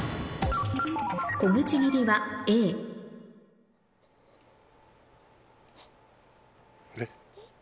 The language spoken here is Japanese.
「小口切りはＡ」え？